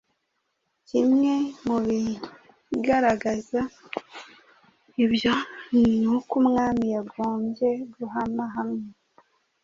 Kimwe mu bigaragaza ibyo ni uko umwami yagombye guhama hamwe